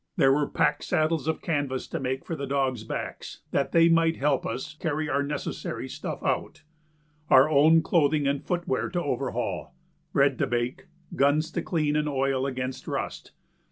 There were pack saddles of canvas to make for the dogs' backs that they might help us carry our necessary stuff out; our own clothing and footwear to overhaul, bread to bake, guns to clean and oil against rust.